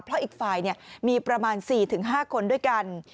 เพราะอีกฝ่ายมีประมาณ๔๕คนด้วยกัน